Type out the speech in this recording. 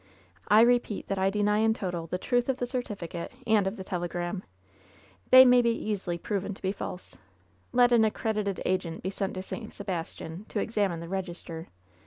I repeat that I deny in toto the truth of the certificate and of the telegram. They may be easily proven to be false. Let an accredited agent be sent to St Sebastian to examine the register.